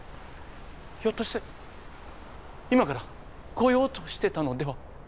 ひょっとして今から来ようとしてたのでは。